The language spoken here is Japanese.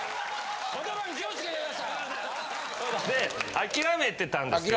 諦めてたんですけど。